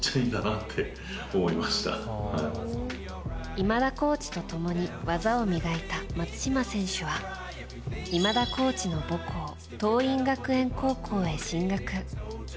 今田コーチと共に技を磨いた松島選手は今田コーチの母校桐蔭学園高校へ進学。